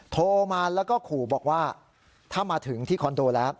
โทรมาแล้วก็ขู่บอกว่าถ้ามาถึงที่คอนโดแล้ว